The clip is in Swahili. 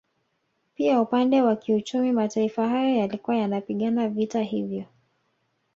Pia upande wa kiuchumi mataifa haya yalikuwa yanapigana vita hivyo